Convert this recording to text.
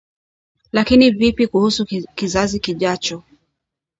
lakini vipi kuhusu kizazi kijacho